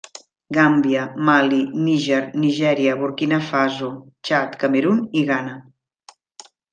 Gàmbia, Mali, Níger, Nigèria, Burkina Faso, Txad, Camerun i Ghana.